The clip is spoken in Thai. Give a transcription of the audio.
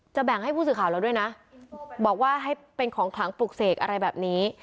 แบ่งให้ผู้สื่อข่าวเราด้วยนะบอกว่าให้เป็นของขลังปลูกเสกอะไรแบบนี้